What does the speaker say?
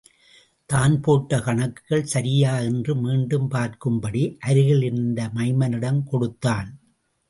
தான் போட்ட கணக்குகள் சரியா என்று மீண்டும் பார்க்கும்படி அருகில் இருந்த மைமனிடம்கொடுத்தான்.